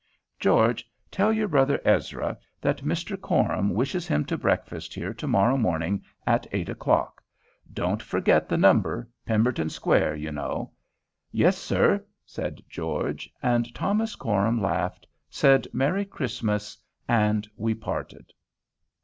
George, tell your brother Ezra that Mr. Coram wishes him to breakfast here to morrow morning at eight o'clock; don't forget the number, Pemberton Square, you know." "Yes, sir," said George; and Thomas Coram laughed, said "Merry Christmas," and we parted.